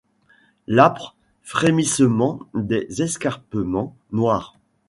L’âpre frémissement des escarpements noirs.